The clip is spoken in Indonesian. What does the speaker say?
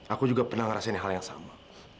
aku juga pernah ngerasain hal yang sama